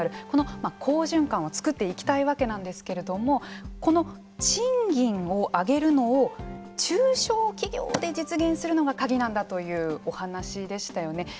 この好循環を作っていきたいわけなんですけれどもこの賃金を上げるのを中小企業で実現するのが鍵なんだというお話でしたよね。